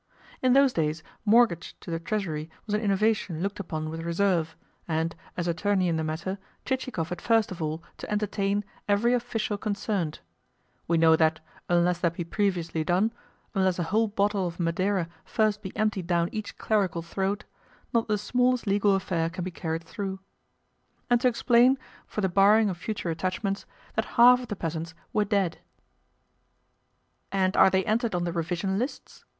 In those days mortgage to the Treasury was an innovation looked upon with reserve, and, as attorney in the matter, Chichikov had first of all to "entertain" every official concerned (we know that, unless that be previously done, unless a whole bottle of madeira first be emptied down each clerical throat, not the smallest legal affair can be carried through), and to explain, for the barring of future attachments, that half of the peasants were dead. "And are they entered on the revision lists?"